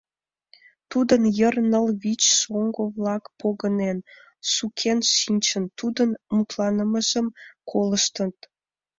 Тудын йыр ныл-вич шоҥго-влак, погынен, сукен шинчын, тудын мутланымыжым колыштыт.